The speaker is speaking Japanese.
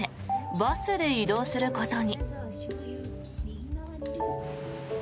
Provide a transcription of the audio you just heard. バスで移動することに。